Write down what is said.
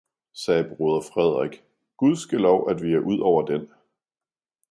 sagde broder Frederik, Gud ske lov at vi er ud over den!